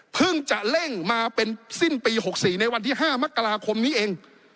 จะเร่งมาเป็นสิ้นปี๖๔ในวันที่๕มกราคมนี้เอง